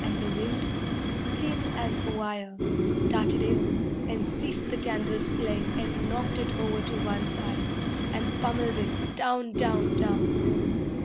And the wind, thin as a wire, Darted in and seized the candle flame And knocked it over to one side And pummelled it down down down